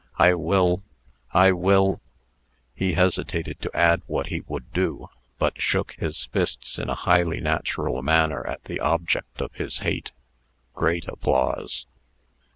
I will I will " He hesitated to add what he would do, but shook his fists in a highly natural manner at the object of his hate. (Great applause.)